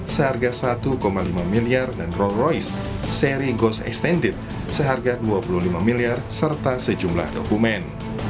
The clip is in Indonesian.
seharga satu lima miliar dan rolls royce seri ghost extended seharga dua puluh lima miliar serta sejumlah dokumen